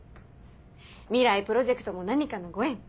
未来プロジェクトも何かのご縁。